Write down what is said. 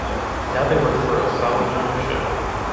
Now they work for Ohsawa Jimusho.